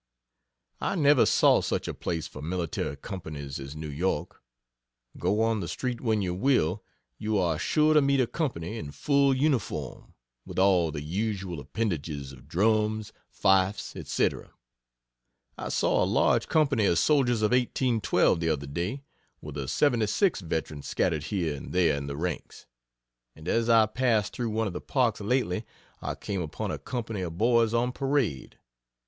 I never saw such a place for military companies as New York. Go on the street when you will, you are sure to meet a company in full uniform, with all the usual appendages of drums, fifes, &c. I saw a large company of soldiers of 1812 the other day, with a '76 veteran scattered here and there in the ranks. And as I passed through one of the parks lately, I came upon a company of boys on parade.